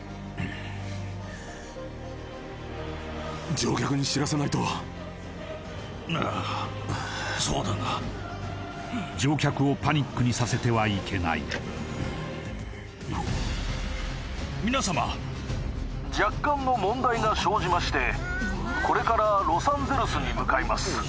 乗客に知らせないとああそうだな乗客をパニックにさせてはいけない皆様若干の問題が生じましてこれからロサンゼルスに向かいます